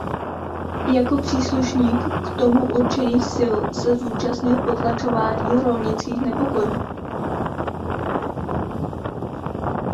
Jako příslušník k tomu určených sil se zúčastnil potlačování rolnických nepokojů.